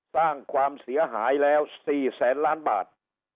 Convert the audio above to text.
สร้างความเสียหายแล้ว๔แสนล้านบาท